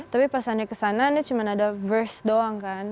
tapi pas anda ke sana anda cuma ada verse doang kan